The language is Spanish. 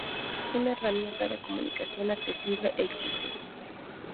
es una herramienta de comunicación accesible e inclusiva